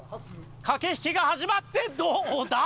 駆け引きが始まってどうだ？